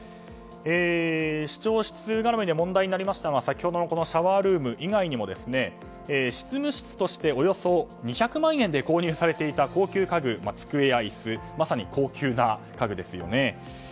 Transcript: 市長室絡みで問題になりましたのは先ほどのシャワールーム以外にも執務室としておよそ２００万円で購入されていた高級家具、机や椅子まさに高級な家具ですよね。